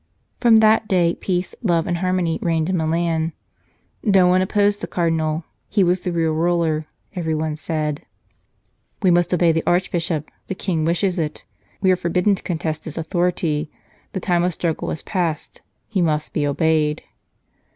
From that day peace, love, and harmony, reigned in Milan. No one opposed the Cardinal ; he was the real ruler, everyone said :" We must obey the Archbishop ; the King wishes it ; we are forbidden to contest his authority. The time of struggle is past ; he must be obeyed."